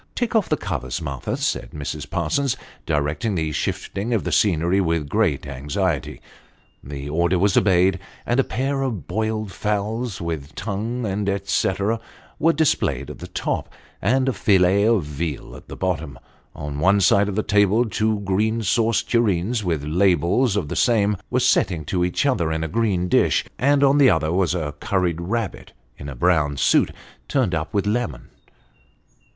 " Take off the covers, Martha," said Mrs. Parsons, directing the shifting of the scenery with great anxiety. The order was obeyed, and a pair of boiled fowls, with tongue and et ceteras, were displayed Mr. Tottle makes a bold Start. 347 at the top, and a fillet of veal at the bottom. On one side of the table two green sauce tureens, with ladles of the same, were setting to each other in a green dish ; and on the other was a curried rabbit, in a brown suit, turned up with lemon.